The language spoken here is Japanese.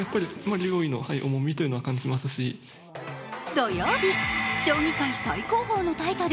土曜日、将棋界最高峰のタイトル